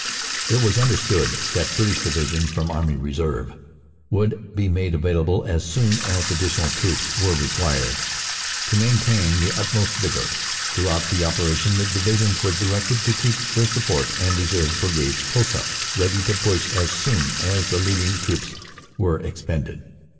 It was understood that British Divisions from Army Reserve would be made available as soon as addi tional troops were required. "To maintain the utmost vigor throughout the operation, the Divisions were directed to keep their support and reserve brigades close up, ready to push on as soon as the leading troops were expended."